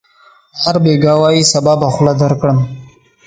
هر بېګا وايي: صبا به خوله درکړم.